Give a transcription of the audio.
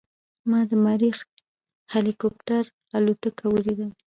ما د مریخ هلیکوپټر الوتنه ولیدله.